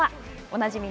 おなじみ